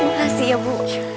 makasih ya bu